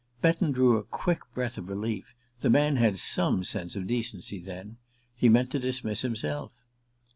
Betton drew a quick breath of relief. The man had some sense of decency, then! He meant to dismiss himself.